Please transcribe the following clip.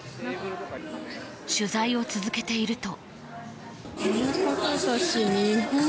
取材を続けていると。